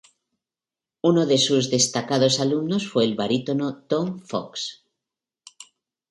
Uno de sus destacados alumnos fue el barítono Tom Fox.